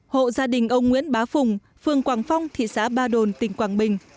hộ gia đình ông nguyễn bá phùng phường quảng phong thị xã ba đồn tỉnh quảng bình